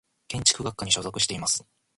建築学科に所属しています。